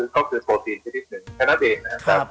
ก็คือโพตินที่นิดหนึ่งแค่นั้นเองแหละ